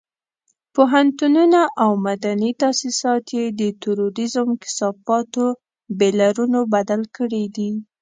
پوهنتونونه او مدني تاسيسات یې د تروريزم کثافاتو بيولرونو بدل کړي دي.